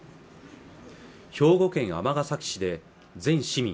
兵庫県尼崎市で全市民